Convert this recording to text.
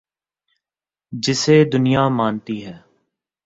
جسے دنیا مانتی ہے۔